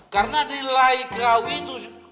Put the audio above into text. karena di layu kau itu